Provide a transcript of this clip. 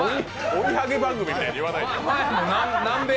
おいはぎ番組みたいに言わないで。